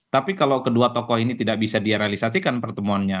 tapi kalau kedua tokoh ini tidak bisa direalisasikan pertemuannya